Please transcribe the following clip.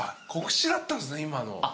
告知だったんすね今の。